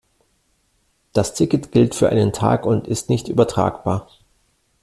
Das Ticket gilt für einen Tag und ist nicht übertragbar.